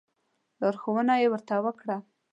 لارښوونه یې ورته وکړه.